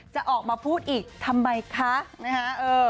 จะออกมาพูดอีกทำไมคะนะฮะ